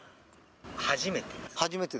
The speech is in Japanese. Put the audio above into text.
初めて？